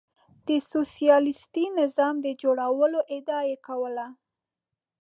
د سوسیالیستي نظام د جوړولو ادعا یې کوله.